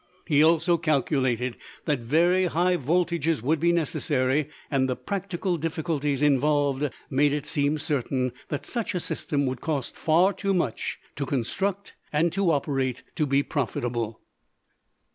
He also calculated that very high voltages would be necessary, and the practical difficulties involved made it seem certain that such a system would cost far too much to construct and to operate to be profitable.